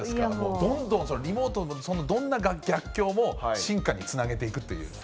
どんどんリモートの、どんな逆境も進化につなげていくという。